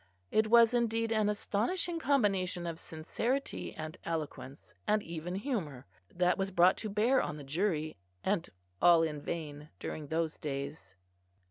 It was indeed an astonishing combination of sincerity and eloquence, and even humour, that was brought to bear on the jury, and all in vain, during those days.